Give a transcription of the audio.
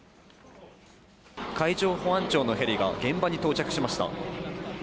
海上保安庁のヘリが現場に到着しました。